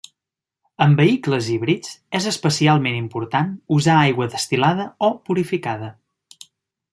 En vehicles híbrids és especialment important usar aigua destil·lada o purificada.